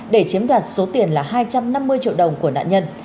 để chiếm đoạt số tiền là hai trăm năm mươi triệu đồng của nạn nhân